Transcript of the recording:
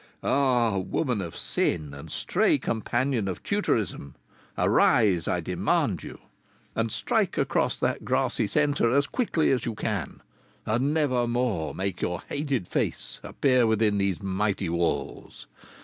Ah, woman of sin and stray companion of tutorism, arise, I demand you, and strike across that grassy centre as quickly as you can, and never more make your hated face appear within these mighty walls.